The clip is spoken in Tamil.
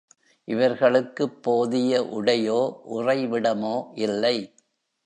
இவர்களுக்குப் போதிய உடையோ, உறைவிடமோ இல்லை.